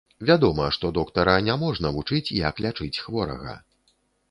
Вядома, што доктара не можна вучыць, як лячыць хворага.